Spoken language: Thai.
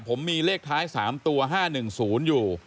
ผมมีเลขท้าย๓ตัว๕๑๐อยู่